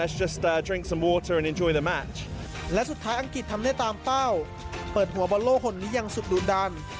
และสุดท้ายอังกฤษทำได้ตามเป้าเปิดหัวบอลโลกคนนี้อย่างสุดดูนดัน